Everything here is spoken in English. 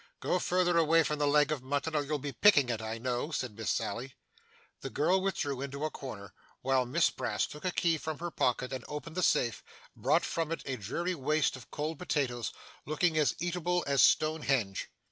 'Go further away from the leg of mutton, or you'll be picking it, I know,' said Miss Sally. The girl withdrew into a corner, while Miss Brass took a key from her pocket, and opening the safe, brought from it a dreary waste of cold potatoes, looking as eatable as Stonehenge.